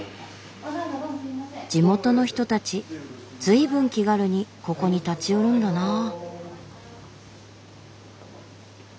地元の人たち随分気軽にここに立ち寄るんだなあ。